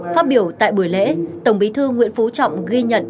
phát biểu tại buổi lễ tổng bí thư nguyễn phú trọng ghi nhận